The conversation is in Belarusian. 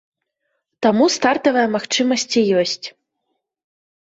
Таму стартавыя магчымасці ёсць.